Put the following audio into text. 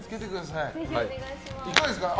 いかがですか？